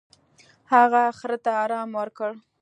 هغه خر ته ارام ورکړ.